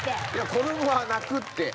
子供は泣くって。